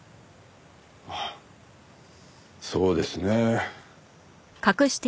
あっそうですね。